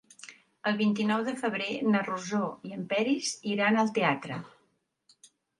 El vint-i-nou de febrer na Rosó i en Peris iran al teatre.